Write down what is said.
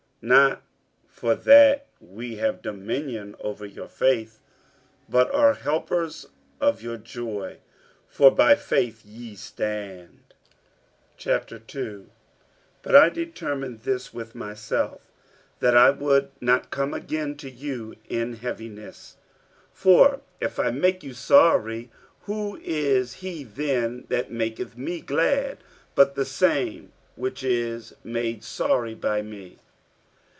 47:001:024 Not for that we have dominion over your faith, but are helpers of your joy: for by faith ye stand. 47:002:001 But I determined this with myself, that I would not come again to you in heaviness. 47:002:002 For if I make you sorry, who is he then that maketh me glad, but the same which is made sorry by me?